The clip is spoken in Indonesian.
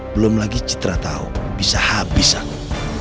belum lagi citra tahu bisa habis aku